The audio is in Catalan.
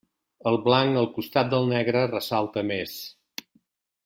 El blanc al costat del negre, ressalta més.